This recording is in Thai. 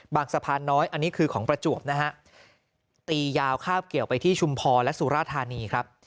สะพานน้อยอันนี้คือของประจวบนะฮะตียาวคาบเกี่ยวไปที่ชุมพรและสุราธานีครับ